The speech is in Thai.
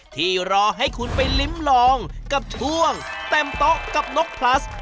ที่รอให้คุณไปลิ้มลองกับช่วงเต็มโต๊ะกับนกพลัส